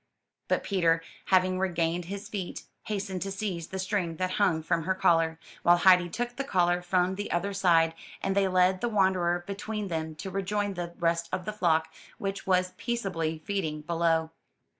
But Peter, having regained his feet, hastened to seize the string that hung from her collar, while Heidi took the collar from the other side; and they led the wanderer between them to rejoin the rest of the flock, which was peaceably feeding below.